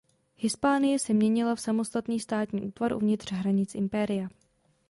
Hispánie se měnila v samostatný státní útvar uvnitř hranic impéria.